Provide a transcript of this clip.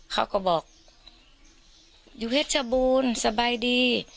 เขาก็บอกอยู่เพชรชบูรณ์สบายดี